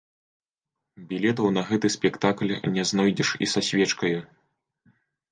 Білетаў на гэты спектакль не знойдзеш і са свечкаю.